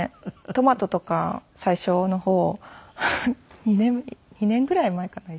トマトとか最初の方２年ぐらい前かな？